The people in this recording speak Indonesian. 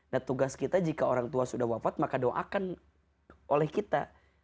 nah tugas kita jika orang tua sudah wafat maka doakan oleh kita